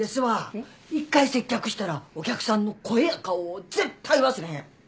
一回接客したらお客さんの声や顔を絶対忘れへん。